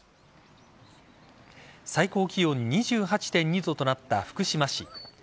最高気温２８．２度となった福島市。